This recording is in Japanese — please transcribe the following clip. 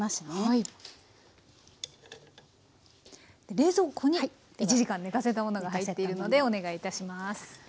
冷蔵庫に１時間寝かせたものが入っているのでお願いいたします。